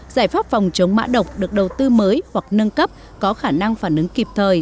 giải pháp phòng chống mã độc được đầu tư mới hoặc nâng cấp có khả năng phản ứng kịp thời